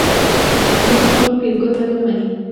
دا کافران پیرګل ولې نه مني.